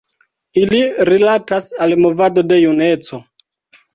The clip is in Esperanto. Ili rilatas al movado de juneco.